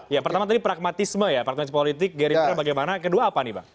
ya pertama tadi pragmatisme ya partai politik gerindra bagaimana kedua apa nih bang